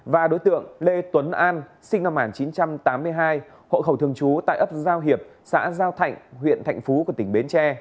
và đối tượng lê tuấn an sinh năm một nghìn chín trăm tám mươi hai hộ khẩu thường trú tại ấp giao hiệp xã giao thạnh huyện thạnh phú của tỉnh bến tre